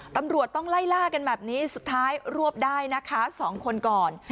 ตำรวจต้องไล่ล่ากันแบบนี้สุดท้ายรวบได้นะคะ๒คนก่อน